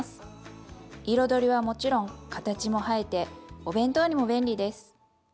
彩りはもちろん形も映えてお弁当にも便利です！